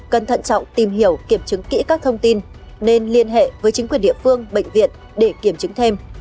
cần thận trọng tìm hiểu kiểm chứng kỹ các thông tin nên liên hệ với chính quyền địa phương bệnh viện để kiểm chứng thêm